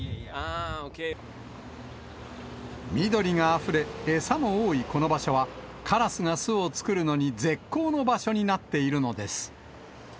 緑があふれ、餌も多いこの場所は、カラスが巣を作るのに絶好の場所になっているのです。